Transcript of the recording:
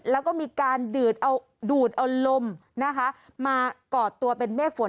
แล้วก็มีการดูดเอาลมนะคะมาก่อตัวเป็นเมฆฝน